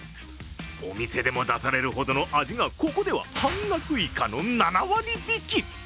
お店でも出されるほどの味がここでは半額以下の７割引き。